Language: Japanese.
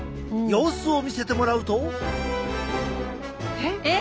様子を見せてもらうと。え？え？